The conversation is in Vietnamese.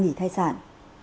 nghỉ thai sản